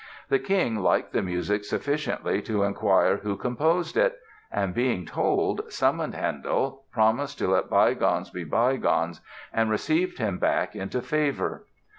The King liked the music sufficiently to inquire who composed it and, being told, summoned Handel, promised to let bygones be bygones and received him back into favor.